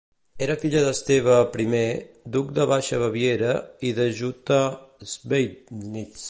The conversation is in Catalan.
Era filla d'Esteve I, duc de Baixa Baviera i de Jutta Schweidnitz.